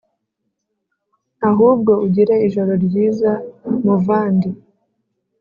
ahubwo ugire ijoro ryiza muvandi